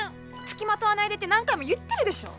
つきまとわないでって何回も言ってるでしょ。